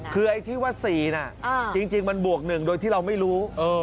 คือไอ้ที่ว่า๔น่ะจริงมันบวก๑โดยที่เราไม่รู้